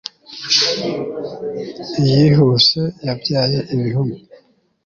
iyihuse yabyaye ibihumye